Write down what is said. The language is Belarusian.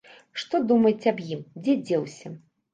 Што думаюць аб ім, дзе дзеўся?